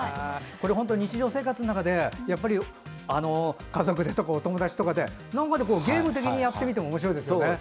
日常生活の中で家族でとかお友達とかでゲーム的にやってみてもおもしろいですね。